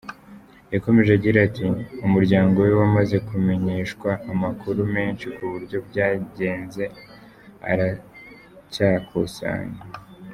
Yakomeje agira ati “Umuryango we wamaze kumenyeshwa, amakuru menshi ku buryo byagenze aracyakusanywa.